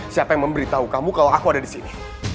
siapa yang memberitahu kamu kalau aku ada disini